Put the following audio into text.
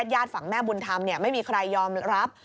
ญาติฝั่งแม่บุญธรรมไม่มีใครยอมรับ